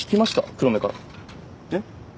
黒目からえっ？